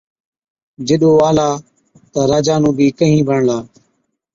جِڏ او آلا تہ راجا نُون بِي ڪهِين بڻلا۔